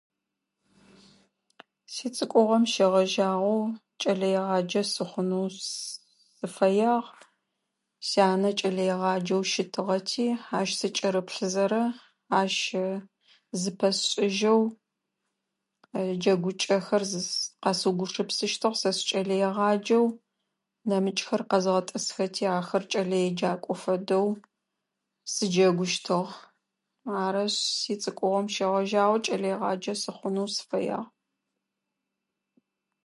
Сицӏыкӏугъом щегъэжьагъэу кӏэлэегъаджэ сыхъунэу сыфэягъ. Сянэ кӏэлэегъаджэу щытыгъэти ащ сыкӏырыплъызэрэ, ащ зыпэсшӏыжьэу джэгукӏэхэр зыз къэсыугупшысыщтыгъ. Сэ сыкӏэлэегъаджэу нэмыкӏхэр къэзгъэтӏысхэти ахэр кӏэлэеджакӏо фэдэу сыджэгущтыгъ. Арышъ, сицӏыкӏугъом щегъэжьагъэу кӏэлэегъаджэ сыхъунэу сыфэягъ.